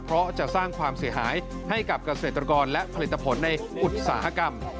เพราะจะสร้างความเสียหายให้กับเกษตรกรและผลิตผลในอุตสาหกรรม